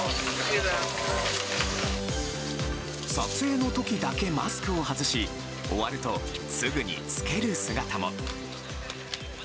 撮影の時だけマスクを外し終わると、すぐに着ける姿も。